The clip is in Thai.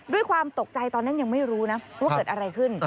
ด้วยความตกใจตอนนั้นยังไม่รู้นะว่าเกิดอะไรขึ้น